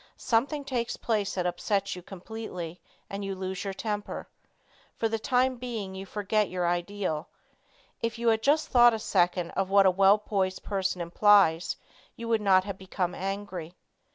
Something takes place that upsets you completely and you lose your temper. For the time being you forget your ideal. If you had just thought a second of what a well poised person implies you would not have become angry.